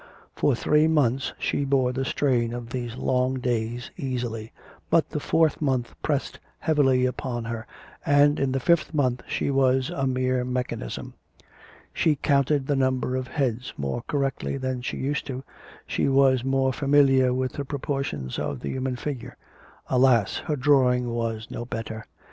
For three months she bore the strain of these long days easily; but the fourth month pressed heavily upon her, and in the fifth month she was a mere mechanism. She counted the number of heads more correctly than she used to, she was more familiar with the proportions of the human figure. Alas! her drawing was no better.